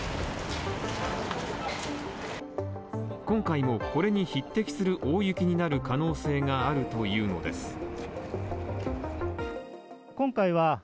今回もこれに匹敵する大雪になる可能性があるというのです。